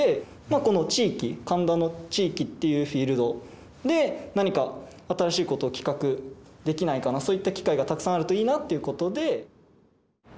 この地域神田の地域っていうフィールドで何か新しいことを企画できないかなそういった機会がたくさんあるといいなということで。